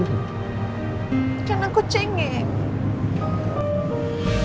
kan aku cengek